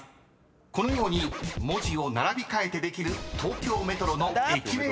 このように文字を並び替えてできる東京メトロの駅名を答えろ］